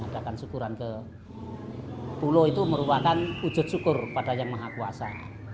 dan syukuran ke pulau itu merupakan ujur syukur kepada yang maha kuasa